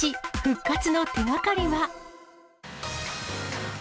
復活の手がかりは？